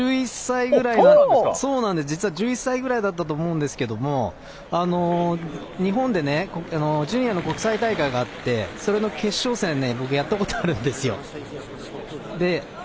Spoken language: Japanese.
実は１１歳ぐらいだったと思うんですけれども、日本でジュニアの国際大会があってそれの決勝戦やったことあるんですよ。